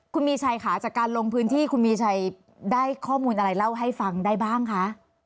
คุณมีชัยค่ะจากการลงพื้นที่คุณมีชัยได้ข้อมูลอะไรเล่าให้ฟังได้บ้างคะ